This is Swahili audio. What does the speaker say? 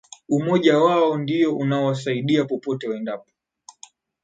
Umoja wao ndio unaowasaidia popote waendapo